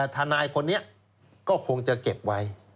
ทนายคนนี้ก็คงจะเก็บไว้